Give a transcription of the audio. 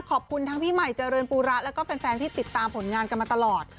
ขอบคุณทั้งพี่ใหม่เจริญปูระแล้วก็แฟนที่ติดตามผลงานกันมาตลอด